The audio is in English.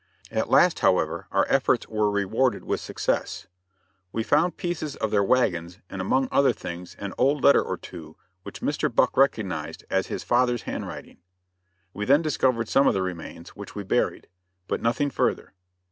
At last, however, our efforts were rewarded with success. We found pieces of their wagons and among other things an old letter or two which Mr. Buck recognized as his father's handwriting. We then discovered some of the remains, which we buried; but nothing further.